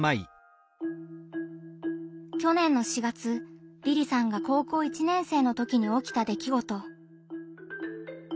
去年の４月りりさんが高校１年生のときにおきたできごと。